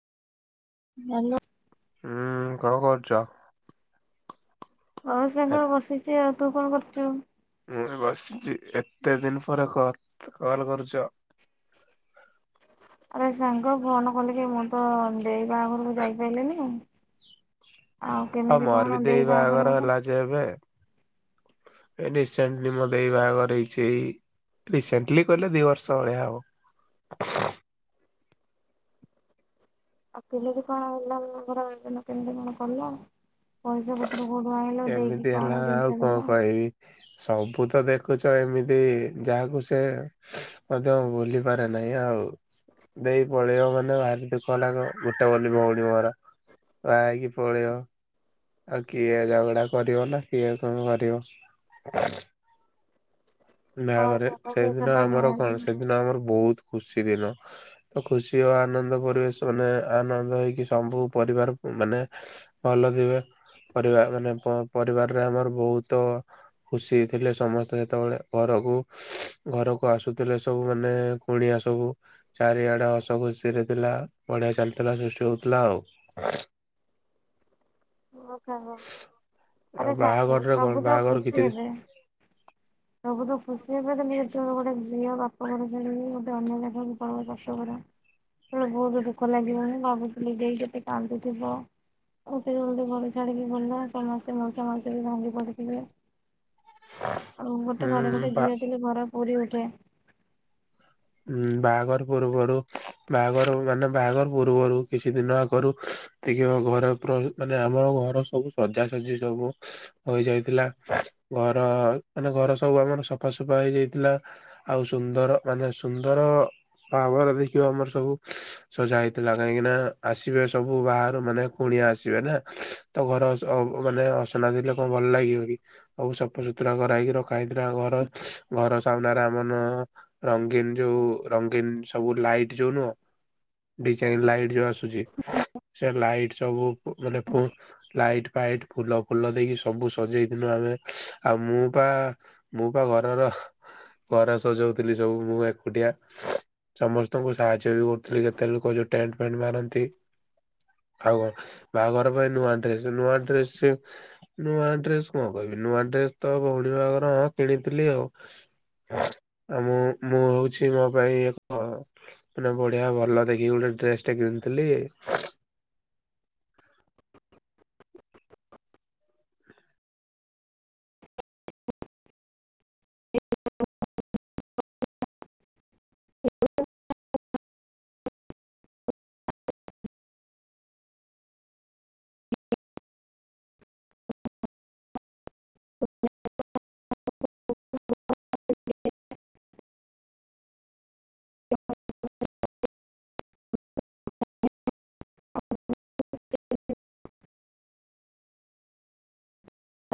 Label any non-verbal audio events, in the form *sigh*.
Hello. ହୁଁ କଣ କରୁଚ? ହଁ ସାଙ୍ଗ ବସିଛି ଆଉ। ତୁ କଣ କରୁଛୁ? ଏ ମୁଁ ବସିଛି ଏତେ ଦିନ ପରେ କଲ କଲ କରୁଚ। ଆରେ ସାଙ୍ଗ ଫୋନ କଲି କି ମୁଁ ତ ଦେଇ ବାହାଘରକୁ ଯାଇପାରିଲିନି ଆଉ ମୋର ବି ଦେଇ ବାହାଘର ହେଲା ଯେ ଏବେ ରିସେଣ୍ଟଲି ମୋ ଦେଇ ବାହାଘର ହେଇଛି ଏଇ ରିସେଣ୍ଟଲି କହିଲେ ଦି ବର୍ଷ ଭଳିଆ ହବ। ଆଉ କେମିତି କଣ ହେଲା ନ ସେଦିନ କେମିତି କଣ କଲ ପଇସା ପତ୍ ଏମିତି ହେଲା ଆଉ କଣ କହିବି ସବୁ ତ ଦେଖ ଦେଖୁଛ ଏମିତି ଯାହାକୁ ସେ ମଧ୍ୟ ଭୁଲି ପାରେ ନାହିଁ ଆଉ ଦେଇ ପଳେଇବ ମାନେ ଭାରି ଦୁଃଖ ଲାଗ ଗୋଟେ ବୋଲି ଭଉଣୀ ମୋର ବାହା ହେଇକି ପଳେଇବ। ଆଉ କିଏ ଝଗଡା କରିବ ନା କିଏ କଣ କରିବ। ହଁ ବାହାଘରେ ସାଙ୍ଗ ସେଇଟା ସେଇଦିନ ତ ଆମର ନିହାତି କଣ ସେଦିନ ଆମର ବହୁତ ଖୁସି ଦିନ ତ ଖୁସି ଓ ଆନନ୍ଦ ପରିବେଶ ମାନେ ଆନନ୍ଦ ହେଇକି ସବୁ ପରିବାର ମାନେ ଭଲ ଥିବେ ପରିବା ମାନେ ପରିବାରରେ ଆମର ବହୁତ ଖୁସି ଥିଲେ ସମସ୍ତେ ସେତେବେଳେ ଘରକୁ ଘରକୁ ଆସୁଥିଲେ ସବୁ ମାନେ କୁଣିଆ ସବୁ ଚାରିଆଡେ ହସ ଖୁସିରେ ଥିଲା ବଢିଆ ଚାଲିଥିଲା ସୃଷ୍ଟି ହଉଥିଲା ଆଉ। ଓ ସାଙ୍ଗ ଆଉ ଆରେ ସାଙ୍ଗ ବାହାଘରରେ କଣ ସବୁ ତ ବାହାଘର ଖୁସି କିଛି ହେବେ ସବୁ ତ ଖୁସି ହେବେ ତ ନିଶ୍ଚୟ ଗୋଟେ ଝିଅ ବାପା ଘର ଛାଡିକି ଗୋଟେ ଅନ୍ୟ ଜାଗାକୁ ପଳେଇବ ଶାଶୂଘର ସେତେବେଳେ ବହୁତ ଦୁଃଖ ଲାଗିବ ହିଁ ଭାବୁଥିଲି ଦେଇ କେତେ କାନ୍ଦୁଥିବ ଆଉ ସେ ଯଦି ଘର ଛାଡିକି ଗଲା ସମସ୍ତେ ମାଉସା ମାଉସୀ ବି ଭାଙ୍ଗି ପଡିଥିବେ ଆଉ ଗୋଟେ ଘରେ ହୁଁ ଗୋଟେ ବା ଝିଅ ଥିଲେ ଘର ପୁରୀ ଉଠେ ଠେ। ଉଁ ବାହାଘର ପୂର୍ବରୁ ବାହାଘର ମାନେ ବାହାଘର ପୂର୍ବରୁ କିଛି ଦିନ ଆଗରୁ ଦେଖିବ ଘର ପୁରା ମାନେ ଆମ ଘର ସବୁ ସଜାସଜି ସବୁ ହୋଇଯାଇଥିଲା। ଘର ମାନେ ଘର ସବୁ ଆମର ସଫାସଫା ହେଇଯାଇଥିଲା ଆଉ ସୁନ୍ଦର ମାନେ ସୁନ୍ଦର ଭାବର ଦେଖିବ ଆମର ସବୁ ସଜା ହେଇଥିଲା କାହିଁକି ନା ଆସିବେ ସବୁ ବାହାରୁ ମାନେ କୁଣିଆ ଆସିବେ ନା ତ ଘର ମାନେ ଅସନା ଥିଲେ କଣ ଭଲ ଲାଗିବ କି ସବୁ ସଫାସୁତୁରା କରା ହେଇକି ରଖା ହେଇଥିଲା ଘର। ଘର ସାମ୍ନାରେ ଆମନ ରଙ୍ଗୀନ ଯୋଉ ରଙ୍ଗୀନ ସବୁ ଲାଇଟ୍ ଯୋଉ ନୁହଁ ଡିଜାଇନ ଲାଇଟ ଯୋଉ ଆସୁଛି ସେ ଲାଇଟ ସବୁ ମାନେ ଫୋ ଲାଇଟ୍ ଫା ଇଟ ଫୁଲ ଫୁଲ ଦେଇକି ସବୁ ସଜେଇଥିଲୁ ଆମେ ଆଉ ମୁଁ ପା ମୁଁ ବା ଘରର ଘର ସଜାଉଥିଲି ସବୁ ମୁଁ ଏକୁଟିଆ ସମସ୍ତଙ୍କୁ ସାହାଯ୍ୟ ବି କରୁଥିଲି କେତେ ଲୋକ ଯୋଉ ଟେଣ୍ଟ ଫେଣ୍ଟ ମାରନ୍ତି ଆଉ କଣ ବାହାଘର ପାଇଁ ନୂଆ ଡ୍ରେସ ନୂଆ ଡ୍ରେସ ନୂଆ ଡ୍ରେସ କଣ କହିବି ନୂଆ ଡ୍ରେସ ତ ଭଉଣୀ ବାହାଘର ହଁ କିଣିଥିଲି ଆଉ ଆଉ ମୁଁ ମୁଁ ହଉଛି ମୋ ପାଇଁ ଏକ ମାନେ ବଢିଆ ଭଲ ଦେଖି ଗୋଟେ ଡ୍ରେସ ଟା କିଣିଥିଲି *unintelligible* *unintelligible* *inaudible* *inaudible*